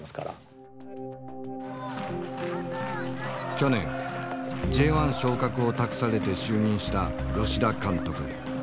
去年Ｊ１昇格を託されて就任した吉田監督。